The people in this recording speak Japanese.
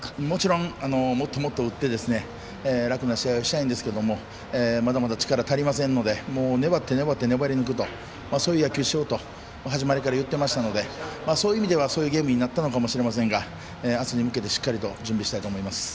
もちろんもっともっと打って楽な試合をしたいんですがまだまだ力が足りないので粘り抜くというそういう野球をしようと始まりから言っていましたのでそういう意味ではそういうゲームになったかもしれませんが明日に向けてしっかりと準備したいと思います。